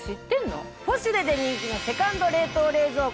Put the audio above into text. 『ポシュレ』で人気のセカンド冷凍冷蔵庫。